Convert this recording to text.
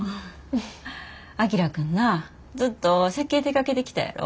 章君なずっと設計手がけてきたやろ？